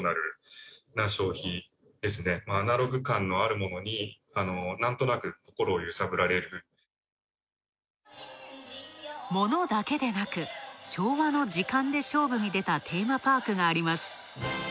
ものだけでなく、昭和の時間で勝負に出たテーマパークがあります